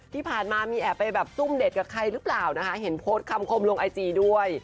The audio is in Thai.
ที่ผ่านมามีแอบไปแบบซุ่มเด็ดกับใครหรือเปล่านะคะเห็นโพสต์คำคมลงไอจีด้วย